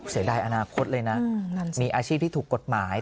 เสียดายอนาคตเลยนะมีอาชีพที่ถูกกฎหมาย